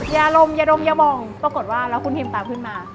อย่าลมอย่าดมอย่ามองปรากฏว่าแล้วคุณทีมตามขึ้นมา